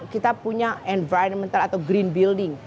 kita punya environmental atau green building